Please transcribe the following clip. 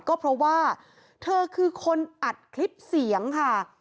ก็เพราะว่าเธอคือคนอัดคลิปเสียงค่ะ